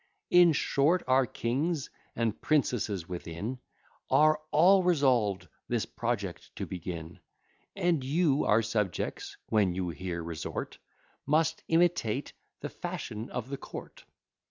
In short, our kings and princesses within Are all resolved this project to begin; And you, our subjects, when you here resort, Must imitate the fashion of the court.